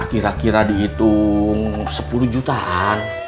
kira kira dihitung sepuluh jutaan